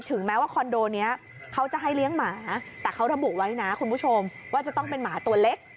แม้ว่าคอนโดนี้เขาจะให้เลี้ยงหมาแต่เขาระบุไว้นะคุณผู้ชมว่าจะต้องเป็นหมาตัวเล็ก